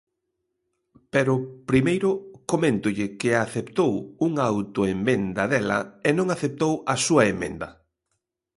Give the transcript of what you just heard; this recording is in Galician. Pero, primeiro, coméntolle que aceptou unha autoemenda dela e non aceptou a súa emenda.